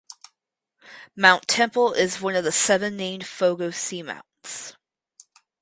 Mount Temple is one of the seven named Fogo Seamounts.